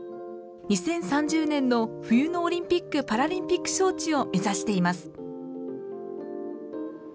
２０３０年の冬のオリンピック・パラリンピック招致を目指しています。